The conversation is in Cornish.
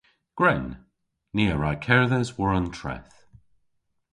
Gwren! Ni a wra kerdhes war an treth.